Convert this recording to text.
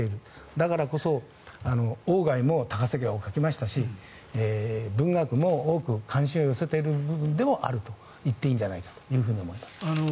だからこそ、森鴎外も「高草木」を書きましたし文学も多く関心を寄せている部分であると言っていいと思います。